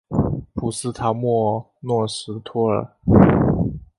普斯陶莫诺什托尔。